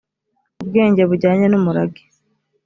ubwenge bujyanye n umurage